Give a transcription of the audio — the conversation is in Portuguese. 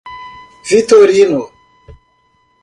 Vitorino